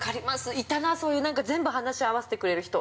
いたなぁ、そういう全部話を合わせてくれる人。